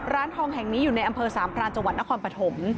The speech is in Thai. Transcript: ร้านทองแห่งนี้อยู่ในอำเภอสามพรานจังหวัดนครปฐม